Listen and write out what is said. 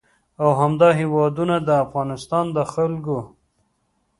او همدا هېوادونه د افغانستان د خلکو